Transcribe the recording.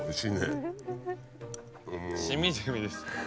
しみじみですね。